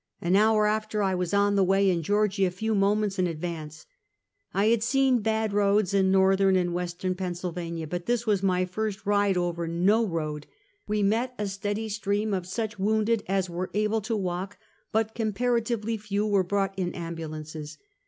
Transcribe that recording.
An hour after I was on the way, and Georgie a few moments in advance. I had seen bad roads in north ern and western Pennsylvania, but this was my first ride over no road. We met a steady stream of such wounded as were able to walk, but comparatively few were brought in ambulances.